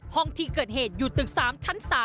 ห้องที่เกิดเหตุอยู่ตึก๓ชั้น๓